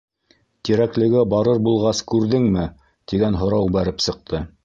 Тирәклегә барыр булғас күрҙеңме? - тигән һорау бәреп сыҡты.